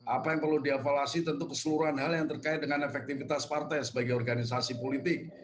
apa yang perlu diavaluasi tentu keseluruhan hal yang terkait dengan efektivitas partai sebagai organisasi politik